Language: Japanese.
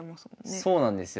そうなんですよ。